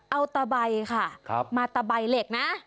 เอาตะใบค่ะมาตะใบเหล็กนะ